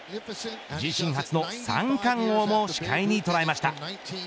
自身初の三冠王も視界に捉えました。